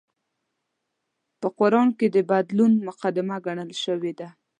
په قران کې د بدلون مقدمه ګڼل شوې ده